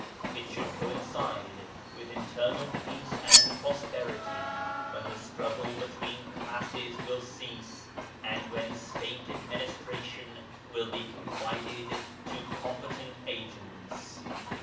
It should coincide with internal peace and prosperity, when the struggle between classes will cease, and when State administration will be confided to com petent agents.